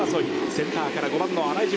センターから５番の新井淳。